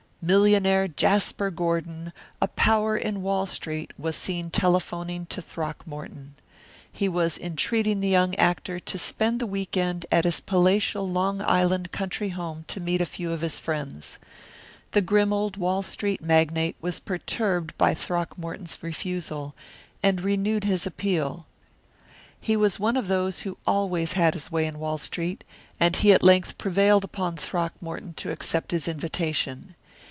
Millionaire Jasper Gordon, "A Power in Wall Street," was seen telephoning to Throckmorton. He was entreating the young actor to spend the week end at his palatial Long Island country home to meet a few of his friends. The grim old Wall Street magnate was perturbed by Throckmorton's refusal, and renewed his appeal. He was one of those who always had his way in Wall Street, and he at length prevailed upon Throckmorton to accept his invitation.